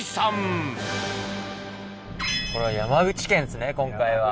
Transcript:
これは山口県ですね今回は。